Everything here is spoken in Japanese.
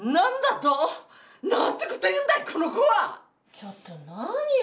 ちょっと何よ！